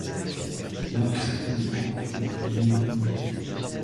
L'un de ses présidents fut Léon Migaux.